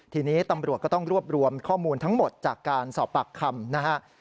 ทีนี้ตำรวจก็ต้องรวบรวมข้อมูลทั้งหมดจากการสอบปากคำนะฮะ